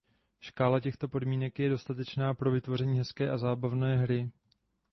Škála těchto podmínek je dostatečná pro vytvoření hezké a zábavné hry.